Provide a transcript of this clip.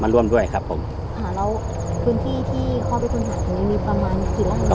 ร่วมด้วยครับผมค่ะแล้วพื้นที่ที่เข้าไปค้นหาตรงนี้มีประมาณกี่ไร่